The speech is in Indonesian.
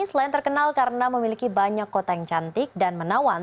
selain terkenal karena memiliki banyak kota yang cantik dan menawan